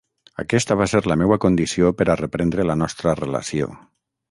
Aquesta va ser la meua condició per a reprendre la nostra relació.